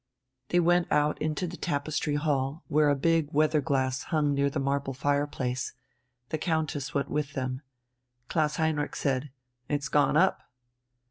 They went out into the tapestry hall, where a big weather glass hung near the marble fireplace. The Countess went with them. Klaus Heinrich said: "It's gone up."